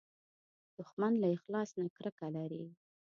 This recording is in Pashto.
دښمن له اخلاص نه کرکه لري